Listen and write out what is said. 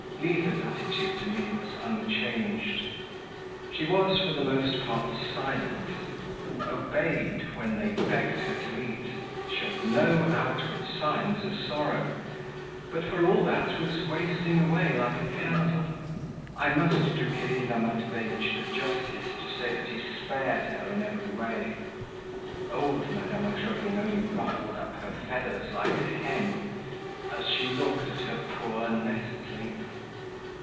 Liza's attitude to me was unchanged. She was, for the most part, silent; obeyed, when they begged her to eat, showed no outward signs of sorrow, but, for all that, was wasting away like a candle. I must do Kirilla Matveitch the justice to say that he spared her in every way. Old Madame Ozhogin only ruffled up her feathers like a hen, as she looked at her poor nestling.